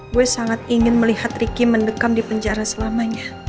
gue sangat ingin melihat ricky mendekam di penjara selamanya